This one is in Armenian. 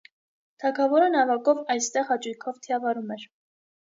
Թագավորը նավակով այստեղ հաճույքով թիավարում էր։